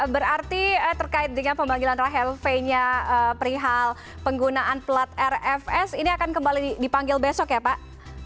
berarti terkait dengan pemanggilan rahel v nya perihal penggunaan pelat rfs ini akan kembali dipanggil besok ya pak